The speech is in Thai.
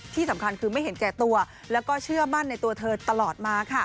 ที่สำคัญคือไม่เห็นแก่ตัวแล้วก็เชื่อมั่นในตัวเธอตลอดมาค่ะ